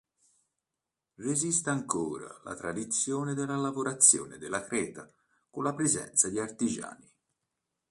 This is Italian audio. Resiste ancora la tradizione della lavorazione della creta con la presenza di artigiani.